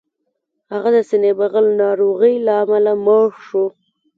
هغه د سینې بغل ناروغۍ له امله مړ شو